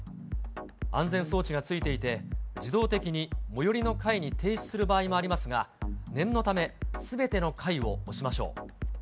安全装置が付いていて、自動的に最寄りの階に停止する場合もありますが、念のため、すべての階を押しましょう。